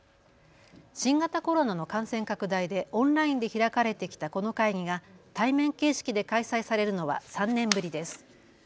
新型コロナの感染拡大でオンラインで開かれてきたこの会議が対面形式で開催されるのは３年ぶりです。